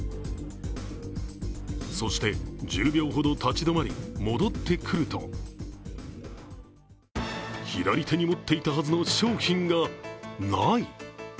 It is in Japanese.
そして、１０秒ほど立ち止まり、戻ってくると左手に持っていたはずの商品がない。